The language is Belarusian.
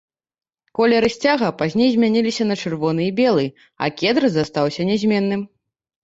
Колеры сцяга пазней змяніліся на чырвоны і белы, а кедр застаўся нязменным.